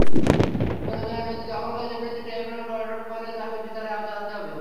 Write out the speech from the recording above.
প্রয়োজনে নদী দখলকারীদের বিরুদ্ধে ট্রাইব্যুনাল গঠন করে তাদের বিচারের আওতায় আনতে হবে।